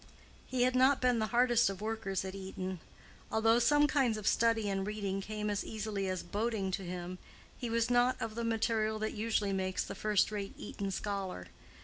He had not been the hardest of workers at Eton. Though some kinds of study and reading came as easily as boating to him, he was not of the material that usually makes the first rate Eton scholar.